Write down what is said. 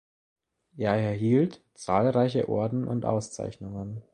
Er erhielt zahlreiche Orden und Auszeichnungen.